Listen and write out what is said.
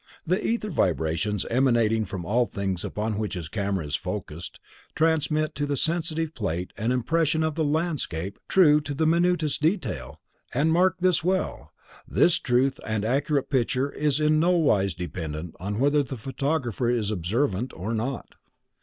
The ether vibrations emanating from all things upon which his camera is focused, transmit to the sensitive plate an impression of the landscape true to the minutest detail, and, mark this well, this true and accurate picture is in no wise dependent upon whether the photographer is observant or not.